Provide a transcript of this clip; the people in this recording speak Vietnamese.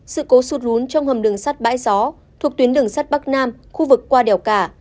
sự cố sụt lún trong hầm đường sắt bãi gió thuộc tuyến đường sắt bắc nam khu vực qua đèo cả